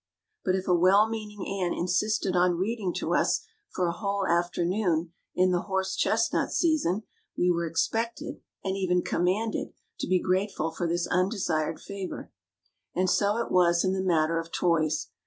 But if a well meaning aunt in sisted on reading to us for a whole afternoon in the horse chestnut season we were expected, and even commanded, to be grateful for this undesired favour. And so it was in the matter of toys.